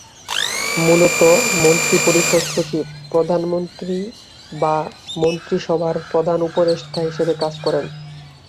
মূলত মন্ত্রিপরিষদ সচিব প্রধানমন্ত্রী/মন্ত্রিসভার প্রধান উপদেষ্টা হিসেবে কাজ করেন।